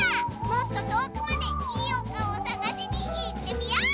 もっととおくまでいいおかおさがしにいってみよう！